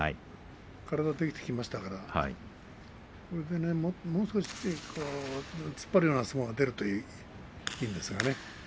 体ができてきましたからこれでもう少し突っ張るような相撲が出るといいんですがね。